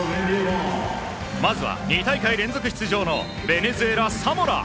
まずは２大会連続出場のベネズエラ、サモラ。